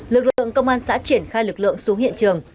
lực lượng công an xã triển khai lực lượng xuống hiện trường